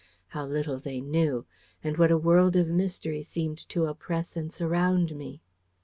How little they knew! And what a world of mystery seemed to oppress and surround me!